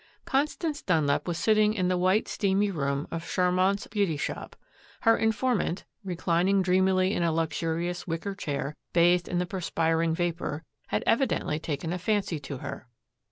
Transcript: Constance Dunlap was sitting in the white steamy room of Charmant's Beauty Shop. Her informant, reclining dreamily in a luxurious wicker chair, bathed in the perspiring vapor, had evidently taken a fancy to her.